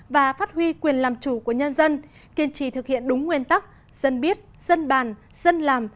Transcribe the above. và phát huy quyền làm chủ của nhân dân kiên trì thực hiện đúng nguyên tắc dân biết dân bàn dân làm